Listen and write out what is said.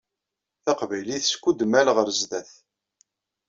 Taqbaylit skudmal ɣer sdat.